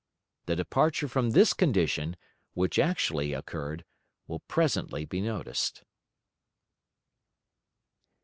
The departure from this condition, which actually occurred, will presently be noticed.